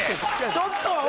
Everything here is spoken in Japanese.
ちょっとは。